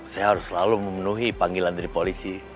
saya harus selalu memenuhi panggilan dari polisi